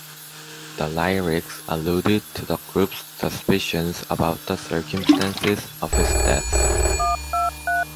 The lyrics alluded to the group's suspicions about the circumstances of his death.